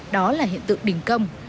đó là hiện tượng đình công